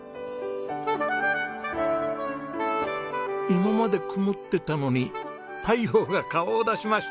今まで曇ってたのに太陽が顔を出しました！